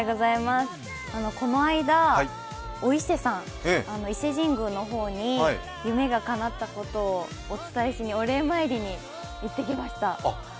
この間、お伊勢さん、伊勢神宮の方に夢がかなったことをお伝えしにお礼参りに行ってきました。